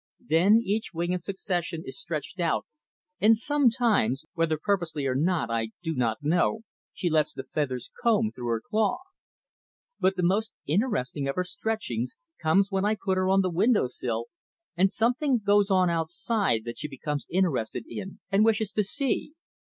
Then each wing in succession is stretched out, and sometimes, whether purposely or not I do not know, she lets the feathers comb through her claw. "But the most interesting of her 'stretchings' comes when I put her on the window sill and something goes on outside that she becomes interested in and wishes to see.